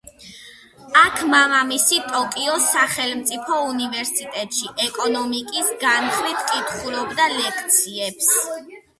აქ მამამისი ტოკიოს სახელმწიფო უნივერსიტეტში ეკონომიკის განხრით კითხულობდა ლექციებს.